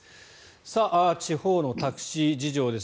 地方のタクシー事情です。